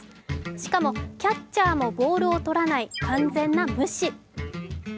しかも、キャッチャーもボールをとらない完全な無視。